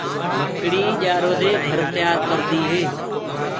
مڪڙيٚ ڃآرو دي گھر تيآر ڪردي هي۔